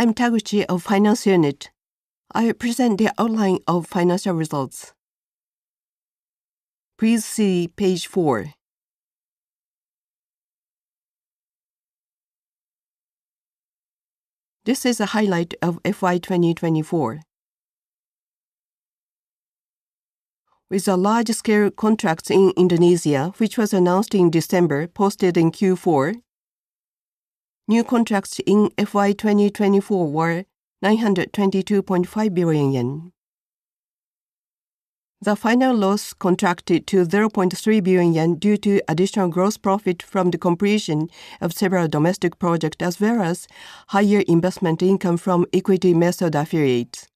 I'm Takuji of Finance Unit. I'll present the outline of financial results. Please see page four. This is a highlight of FY 2024. With the large-scale contracts in Indonesia, which was announced in December, posted in Q4, new contracts in FY 2024 were 922.5 billion yen. The final loss contracted to 0.3 billion yen due to additional gross profit from the completion of several domestic projects as well as higher investment income from equity-based affiliates.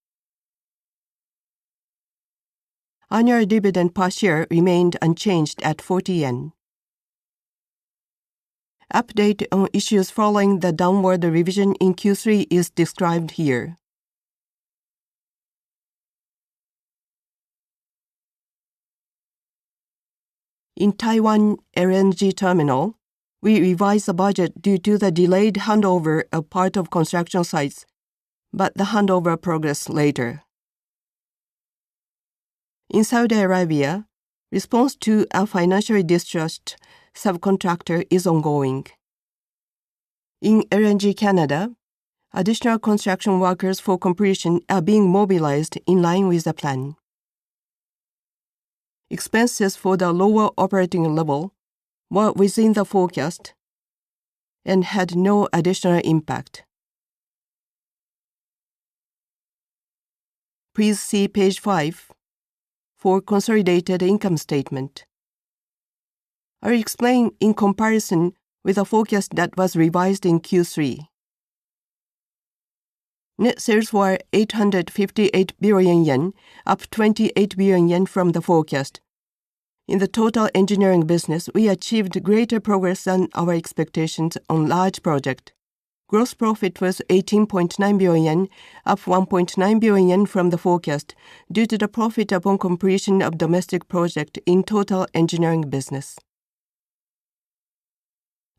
Annual dividend per share remained unchanged at 40 yen. Update on issues following the downward revision in Q3 is described here. In Taiwan LNG terminal, we revised the budget due to the delayed handover of part of construction sites, but the handover progressed later. In Saudi Arabia, response to a financially distressed subcontractor is ongoing. In LNG Canada, additional construction workers for completion are being mobilized in line with the plan. Expenses for the lower operating level were within the forecast and had no additional impact. Please see page five for consolidated income statement. I'll explain in comparison with the forecast that was revised in Q3. Net sales were 858 billion yen, up 28 billion yen from the forecast. In the total engineering business, we achieved greater progress than our expectations on large projects. Gross profit was 18.9 billion, up 1.9 billion from the forecast due to the profit upon completion of domestic projects in total engineering business.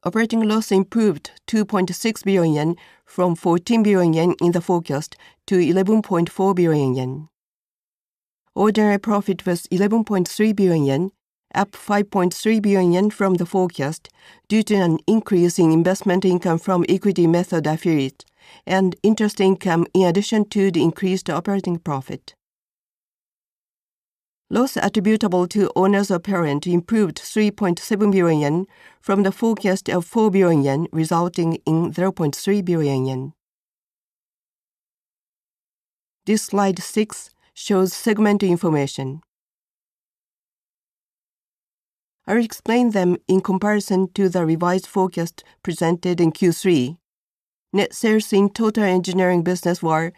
Operating loss improved 2.6 billion yen from 14 billion yen in the forecast to 11.4 billion yen. Ordinary profit was 11.3 billion yen, up 5.3 billion yen from the forecast due to an increase in investment income from equity-based affiliates and interest income in addition to the increased operating profit. Loss attributable to owners apparent improved 3.7 billion yen from the forecast of 4 billion yen, resulting in 0.3 billion yen. This slide six shows segment information. I'll explain them in comparison to the revised forecast presented in Q3. Net sales in total engineering business were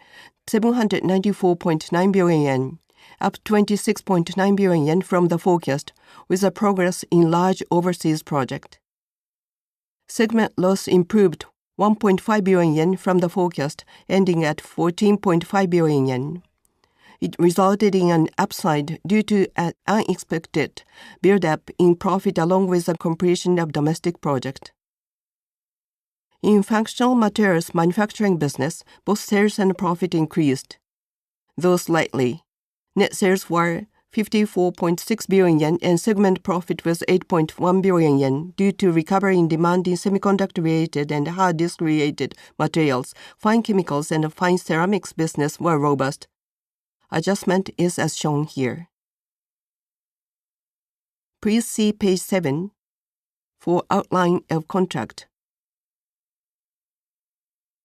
794.9 billion yen, up 26.9 billion yen from the forecast, with progress in large overseas projects. Segment loss improved 1.5 billion yen from the forecast, ending at 14.5 billion yen. It resulted in an upside due to an unexpected build-up in profit along with the completion of domestic projects. In functional materials manufacturing business, both sales and profit increased though slightly. Net sales were 54.6 billion yen, and segment profit was 8.1 billion yen due to recovering demand in semiconductor-related and hard disk-related materials. Fine chemicals and fine ceramics business were robust. Adjustment is as shown here. Please see page seven for outline of contract.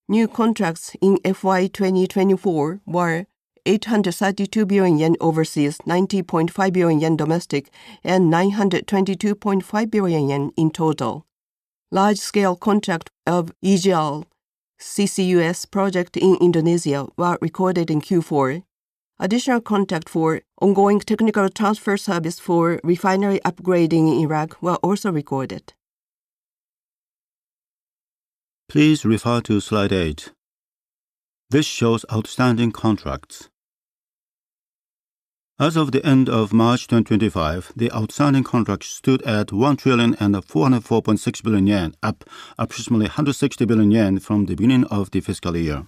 New contracts in fiscal year 2024 were 832 billion yen overseas, 90.5 billion yen domestic, and 922.5 billion yen in total. Large-scale contract of EGL CCUS project in Indonesia were recorded in Q4. Additional contract for ongoing technical transfer service for refinery upgrading in Iraq were also recorded. Please refer to slide eight. This shows outstanding contracts. As of the end of March 2025, the outstanding contracts stood at 1.4046 trillion, up approximately 160 billion yen from the beginning of the fiscal year.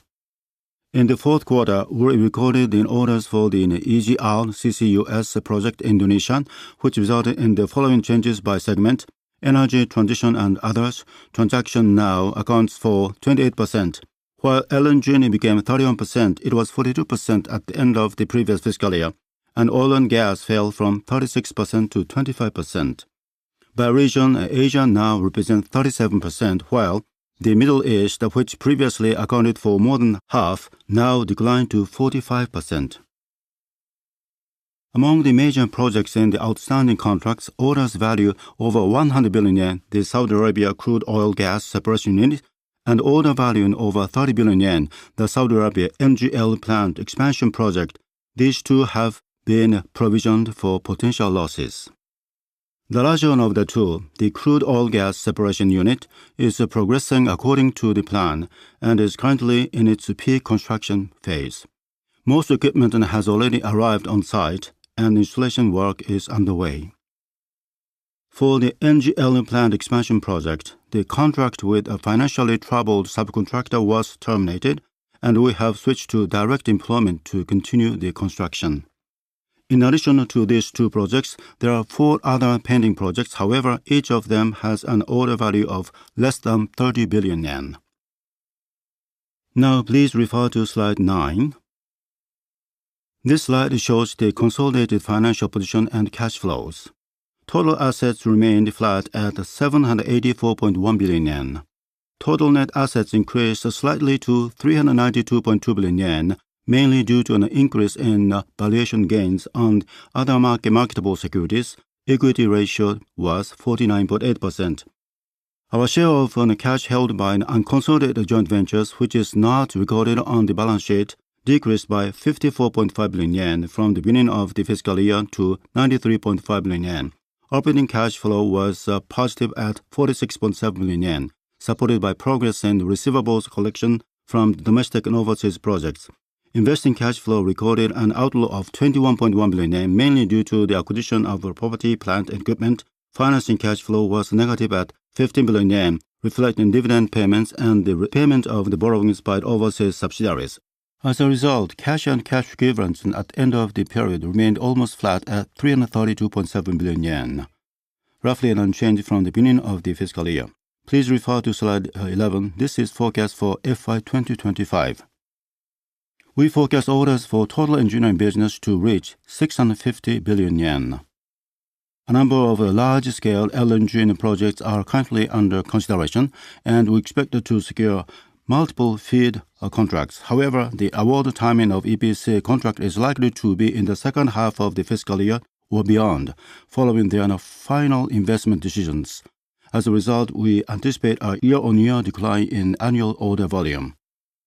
In the fourth quarter, we recorded in orders for the EGL CCUS project in Indonesia, which resulted in the following changes by segment: Energy, Transition, and Others. Transition now accounts for 28%. While LNG became 31%, it was 42% at the end of the previous fiscal year, and Oil and Gas fell from 36% to 25%. By region, Asia now represents 37%, while the Middle East, which previously accounted for more than half, now declined to 45%. Among the major projects in the outstanding contracts, orders valued over 100 billion yen, the Saudi Arabia Crude Oil Gas Separation Unit, and order valued over 30 billion yen, the Saudi Arabia MGL Plant Expansion Project. These two have been provisioned for potential losses. The region of the two, the Crude Oil Gas Separation Unit, is progressing according to the plan and is currently in its pre-construction phase. Most equipment has already arrived on site, and installation work is underway. For the MGL Plant Expansion Project, the contract with a financially troubled subcontractor was terminated, and we have switched to direct employment to continue the construction. In addition to these two projects, there are four other pending projects. However, each of them has an order value of less than 30 billion yen. Now, please refer to slide nine. This slide shows the consolidated financial position and cash flows. Total assets remained flat at 784.1 billion yen. Total net assets increased slightly to 392.2 billion yen, mainly due to an increase in valuation gains on other marketable securities. Equity ratio was 49.8%. Our share of cash held by unconsolidated joint ventures, which is not recorded on the balance sheet, decreased by 54.5 billion yen from the beginning of the fiscal year to 93.5 billion yen. Operating cash flow was positive at 46.7 billion yen, supported by progress in receivables collection from domestic and overseas projects. Investing cash flow recorded an outflow of 21.1 billion yen, mainly due to the acquisition of property, plant, and equipment. Financing cash flow was negative at 15 billion yen, reflecting dividend payments and the repayment of the borrowings by overseas subsidiaries. As a result, cash and cash equivalents at the end of the period remained almost flat at 332.7 billion yen, roughly unchanged from the beginning of the fiscal year. Please refer to slide 11. This is forecast for FY 2025. We forecast orders for total engineering business to reach 650 billion yen. A number of large-scale LNG projects are currently under consideration, and we expect to secure multiple FEED contracts. However, the award timing of EPC contract is likely to be in the second half of the fiscal year or beyond, following the Final Investment Decisions. As a result, we anticipate a year-on-year decline in annual order volume.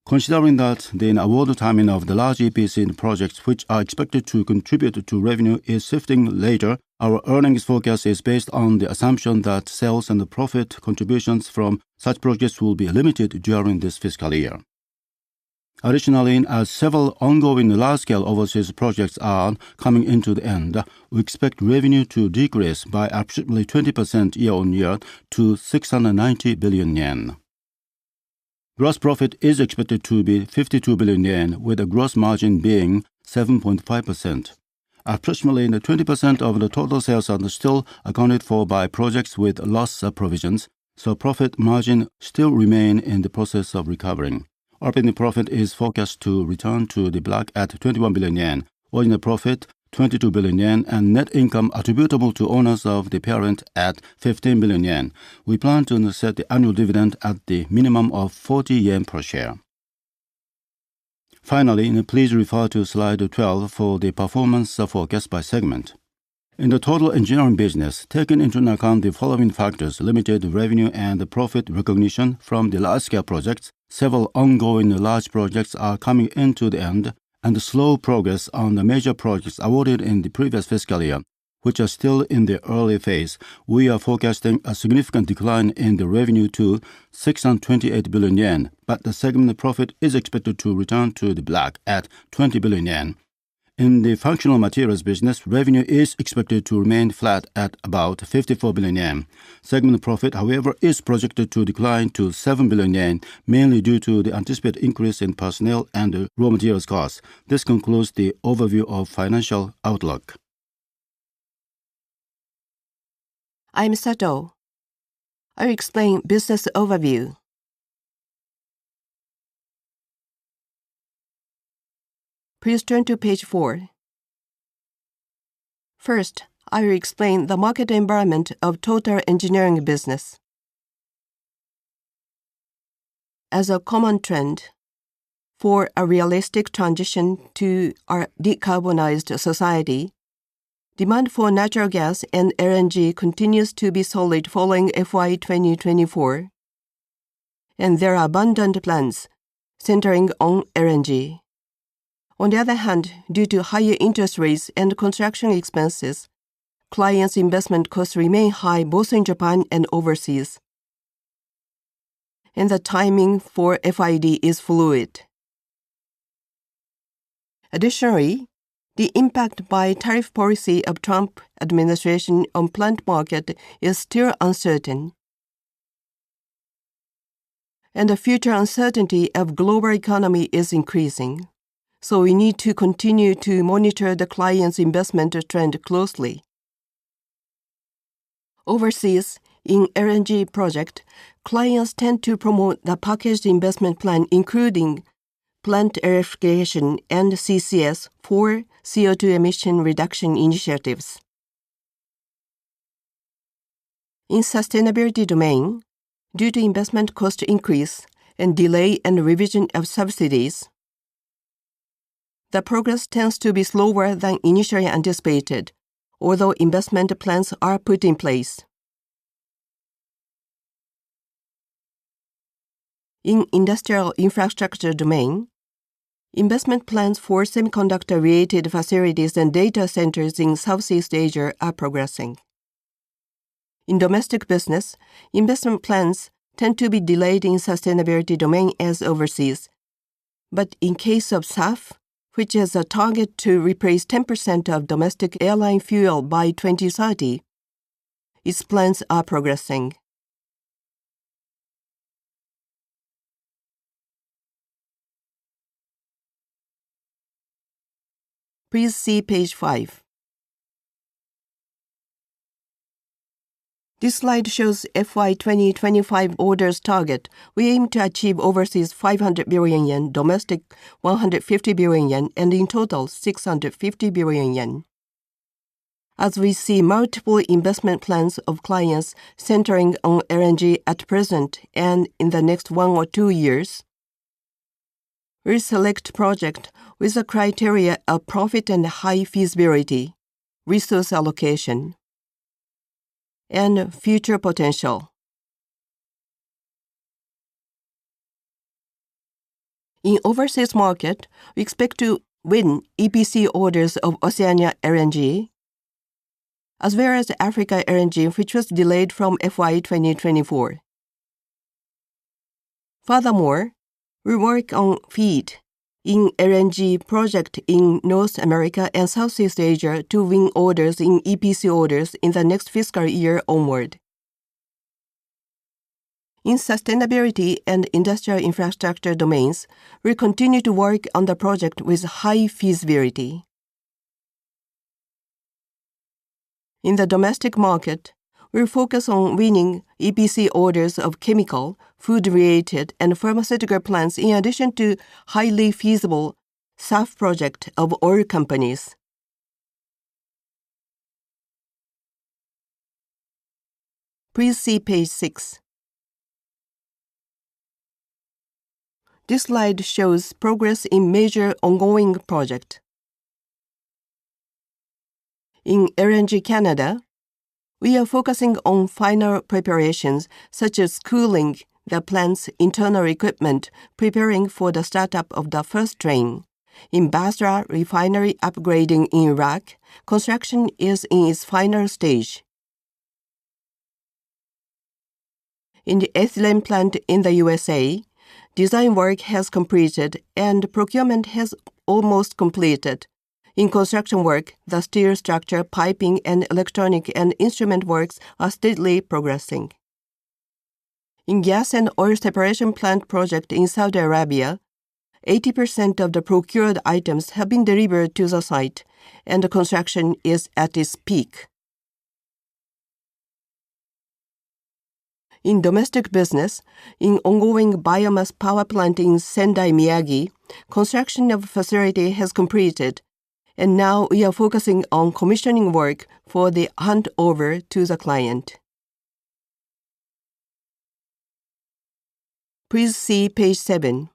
Considering that the award timing of the large EPC projects, which are expected to contribute to revenue, is shifting later, our earnings forecast is based on the assumption that sales and profit contributions from such projects will be limited during this fiscal year. Additionally, as several ongoing large-scale overseas projects are coming into the end, we expect revenue to decrease by approximately 20% year-on-year to 690 billion yen. Gross profit is expected to be 52 billion yen, with the gross margin being 7.5%. Approximately 20% of the total sales are still accounted for by projects with loss provisions, so profit margin still remains in the process of recovering. Operating profit is forecast to return to the black at 21 billion yen, order profit 22 billion yen, and net income attributable to owners of the parent at 15 billion yen. We plan to set the annual dividend at the minimum of 40 yen per share. Finally, please refer to slide 12 for the performance forecast by segment. In the total engineering business, taking into account the following factors: limited revenue and profit recognition from the large-scale projects, several ongoing large projects are coming into the end, and slow progress on the major projects awarded in the previous fiscal year, which are still in the early phase. We are forecasting a significant decline in the revenue to 628 billion yen, but the segment profit is expected to return to the black at 20 billion yen. In the functional materials business, revenue is expected to remain flat at about 54 billion yen. Segment profit, however, is projected to decline to 7 billion yen, mainly due to the anticipated increase in personnel and raw materials costs. This concludes the overview of financial outlook. I'm Sato. I'll explain business overview. Please turn to page four. First, I'll explain the market environment of total engineering business. As a common trend for a realistic transition to a decarbonized society, demand for natural gas and LNG continues to be solid following fiscal year 2024, and there are abundant plans centering on LNG. On the other hand, due to higher interest rates and construction expenses, clients' investment costs remain high both in Japan and overseas, and the timing for FID is fluid. Additionally, the impact by tariff policy of the Trump administration on the plant market is still uncertain, and the future uncertainty of the global economy is increasing, so we need to continue to monitor the clients' investment trend closely. Overseas, in LNG projects, clients tend to promote the packaged investment plan, including plant electrification and CCS for CO2 emission reduction initiatives. In the sustainability domain, due to investment cost increase and delay in revision of subsidies, the progress tends to be slower than initially anticipated, although investment plans are put in place. In the industrial infrastructure domain, investment plans for semiconductor-related facilities and data centers in Southeast Asia are progressing. In domestic business, investment plans tend to be delayed in the sustainability domain as overseas, but in the case of SAF, which has a target to replace 10% of domestic airline fuel by 2030, its plans are progressing. Please see page five. This slide shows FY 2025 orders target. We aim to achieve overseas 500 billion yen, domestic 150 billion yen, and in total 650 billion yen. As we see multiple investment plans of clients centering on LNG at present and in the next one or two years, we select projects with the criteria of profit and high feasibility, resource allocation, and future potential. In the overseas market, we expect to win EPC orders of Oceania LNG, as well as Africa LNG, which was delayed from FY 2024. Furthermore, we work on FEED in LNG projects in North America and Southeast Asia to win orders in EPC orders in the next fiscal year onward. In sustainability and industrial infrastructure domains, we continue to work on the project with high feasibility. In the domestic market, we focus on winning EPC orders of chemical, food-related, and pharmaceutical plants in addition to highly feasible SAF projects of oil companies. Please see page 6. This slide shows progress in major ongoing projects. In LNG Canada, we are focusing on final preparations such as cooling the plant's internal equipment, preparing for the startup of the first train. In Basra refinery upgrading in Iraq, construction is in its final stage. In the ethylene plant in the USA, design work has completed and procurement has almost completed. In construction work, the steel structure, piping, and electronic and instrument works are steadily progressing. In the gas and oil separation plant project in Saudi Arabia, 80% of the procured items have been delivered to the site, and the construction is at its peak. In domestic business, in ongoing biomass power plant in Sendai, Miyagi, construction of a facility has completed, and now we are focusing on commissioning work for the handover to the client. Please see page seven.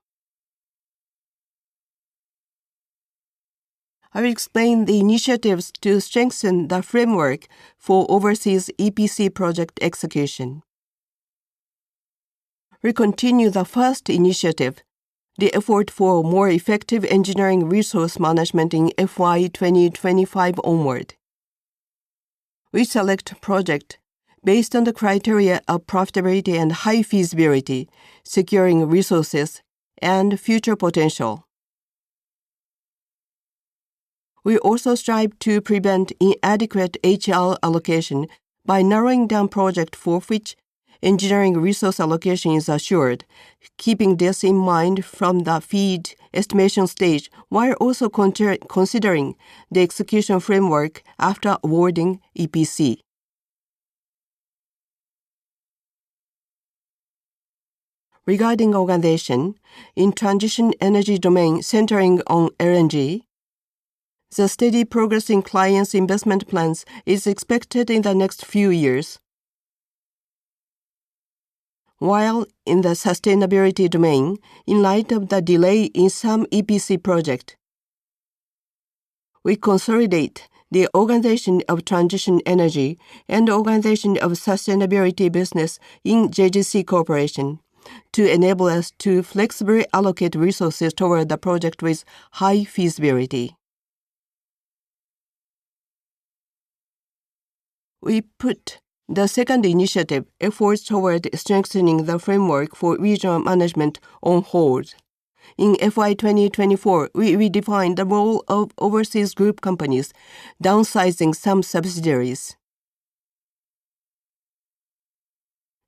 I'll explain the initiatives to strengthen the framework for overseas EPC project execution. We continue the first initiative, the effort for more effective engineering resource management in FY 2025 onward. We select projects based on the criteria of profitability and high feasibility, securing resources and future potential. We also strive to prevent inadequate HR allocation by narrowing down projects for which engineering resource allocation is assured, keeping this in mind from the FEED estimation stage, while also considering the execution framework after awarding EPC. Regarding organization, in the transition energy domain centering on LNG, the steady progress in clients' investment plans is expected in the next few years. While in the sustainability domain, in light of the delay in some EPC projects, we consolidate the organization of transition energy and the organization of sustainability business in JGC Corporation to enable us to flexibly allocate resources toward the project with high feasibility. We put the second initiative efforts toward strengthening the framework for regional management on hold. In FY 2024, we redefined the role of overseas group companies, downsizing some subsidiaries.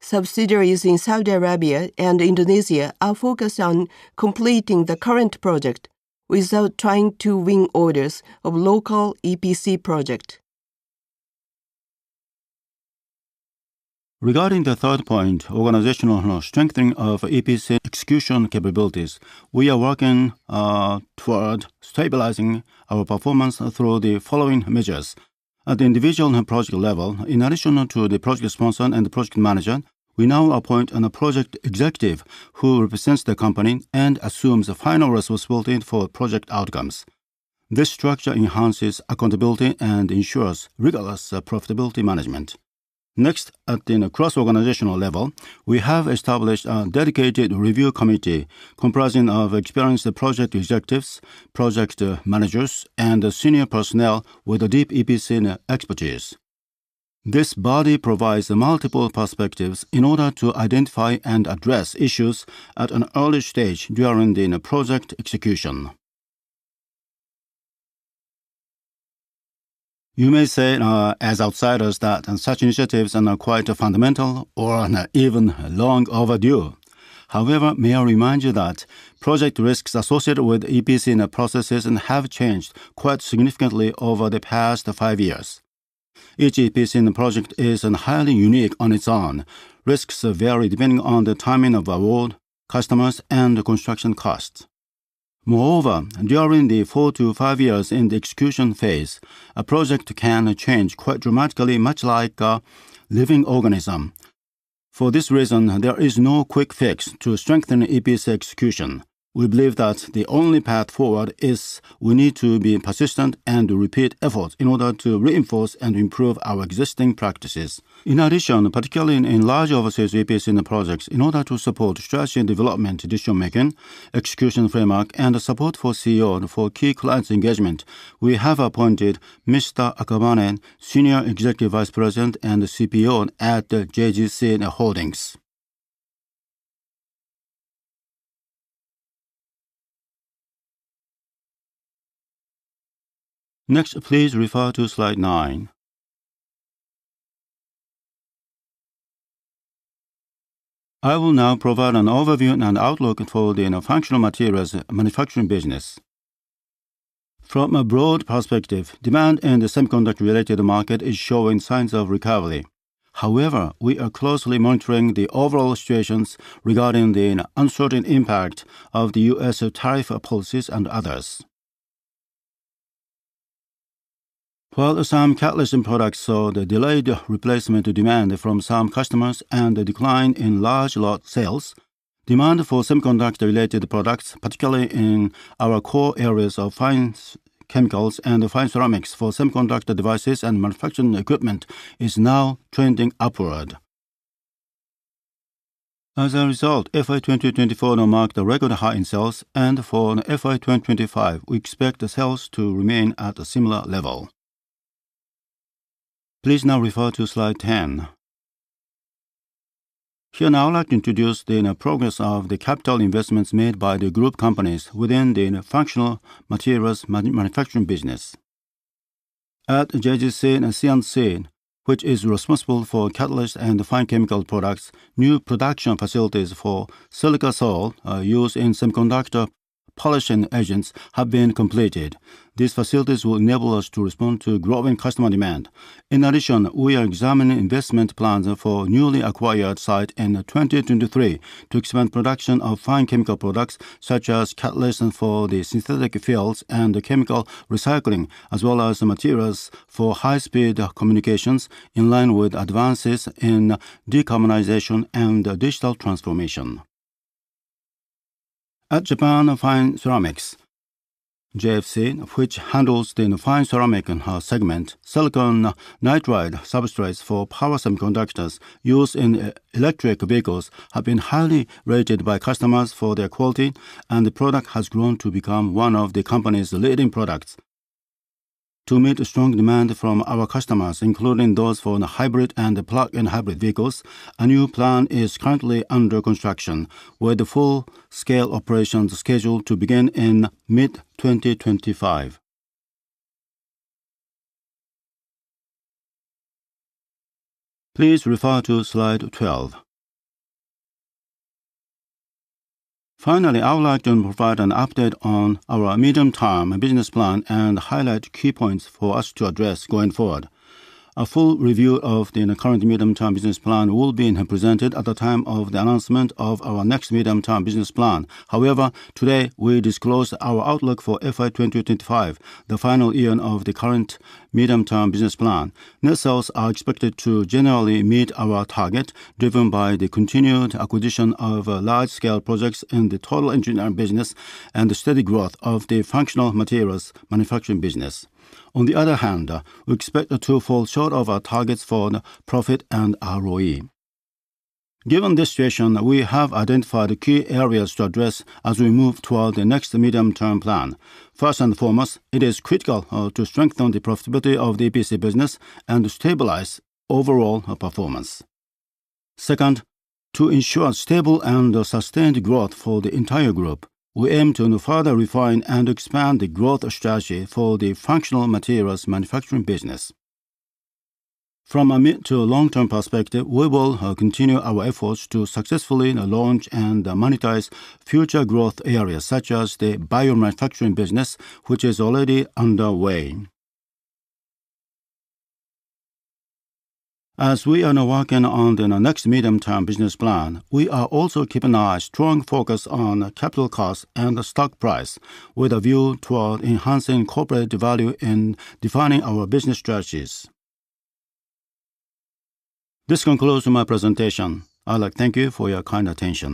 Subsidiaries in Saudi Arabia and Indonesia are focused on completing the current project without trying to win orders of local EPC projects. Regarding the third point, organizational strengthening of EPC execution capabilities, we are working toward stabilizing our performance through the following measures. At the individual project level, in addition to the project sponsor and the project manager, we now appoint a project executive who represents the company and assumes the final responsibility for project outcomes. This structure enhances accountability and ensures rigorous profitability management. Next, at the cross-organizational level, we have established a dedicated review committee comprising experienced project executives, project managers, and senior personnel with deep EPC expertise. This body provides multiple perspectives in order to identify and address issues at an early stage during the project execution. You may say, as outsiders, that such initiatives are quite fundamental or even long overdue. However, may I remind you that project risks associated with EPC processes have changed quite significantly over the past five years. Each EPC project is highly unique on its own. Risks vary depending on the timing of award, customers, and construction costs. Moreover, during the four to five years in the execution phase, a project can change quite dramatically, much like a living organism. For this reason, there is no quick fix to strengthen EPC execution. We believe that the only path forward is we need to be persistent and repeat efforts in order to reinforce and improve our existing practices. In addition, particularly in large overseas EPC projects, in order to support strategy and development decision-making, execution framework, and support for CEO for key clients' engagement, we have appointed Mr. Akabane, Senior Executive Vice President and CPO at JGC Holdings. Next, please refer to slide nine. I will now provide an overview and outlook for the functional materials manufacturing business. From a broad perspective, demand in the semiconductor-related market is showing signs of recovery. However, we are closely monitoring the overall situations regarding the uncertain impact of the U.S. tariff policies and others. While some catalyst products saw the delayed replacement demand from some customers and the decline in large lot sales, demand for semiconductor-related products, particularly in our core areas of finance, chemicals, and fine ceramics for semiconductor devices and manufacturing equipment, is now trending upward. As a result, FY 2024 marked a record high in sales, and for FY 2025, we expect the sales to remain at a similar level. Please now refer to slide 10. Here now, I'd like to introduce the progress of the capital investments made by the group companies within the functional materials manufacturing business. At JGC Holdings, which is responsible for catalyst and fine chemical products, new production facilities for silica salt used in semiconductor polishing agents have been completed. These facilities will enable us to respond to growing customer demand. In addition, we are examining investment plans for a newly acquired site in 2023 to expand production of fine chemical products such as catalyst for the synthetic fields and chemical recycling, as well as materials for high-speed communications in line with advances in decarbonization and digital transformation. At Japan Fine Ceramics JFC, which handles the fine ceramic segment, silicon nitride substrates for power semiconductors used in electric vehicles have been highly rated by customers for their quality, and the product has grown to become one of the company's leading products. To meet strong demand from our customers, including those for the hybrid and plug-in hybrid vehicles, a new plant is currently under construction, with full-scale operations scheduled to begin in mid-2025. Please refer to slide 12. Finally, I would like to provide an update on our medium-term business plan and highlight key points for us to address going forward. A full review of the current medium-term business plan will be presented at the time of the announcement of our next medium-term business plan. However, today, we disclose our outlook for FY 2025, the final year of the current medium-term business plan. Net sales are expected to generally meet our target, driven by the continued acquisition of large-scale projects in the total engineering business and the steady growth of the functional materials manufacturing business. On the other hand, we expect to fall short of our targets for profit and ROE. Given this situation, we have identified key areas to address as we move toward the next medium-term plan. First and foremost, it is critical to strengthen the profitability of the EPC business and stabilize overall performance. Second, to ensure stable and sustained growth for the entire group, we aim to further refine and expand the growth strategy for the functional materials manufacturing business. From a mid- to long-term perspective, we will continue our efforts to successfully launch and monetize future growth areas such as the biomanufacturing business, which is already underway. As we are working on the next medium-term business plan, we are also keeping a strong focus on capital costs and stock price, with a view toward enhancing corporate value and defining our business strategies. This concludes my presentation. I'd like to thank you for your kind attention.